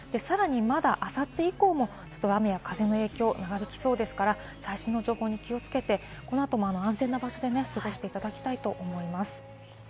さらに、まだあさって以降も雨や風の影響が長引きそうですから最新の情報に気をつけて、この後も安全な場所で過ごしていただきたいと思います。